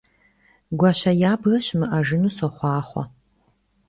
Гуащэ ябгэ щымыӀэжыну сохъуахъуэ!